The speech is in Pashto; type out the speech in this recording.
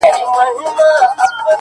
که لوی سوم ځمه د ملا غوږ کي آذان کومه